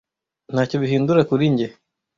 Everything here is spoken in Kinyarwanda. Ntacyo bihindura kuri njye.